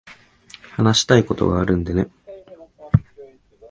話したいことがあるんでね。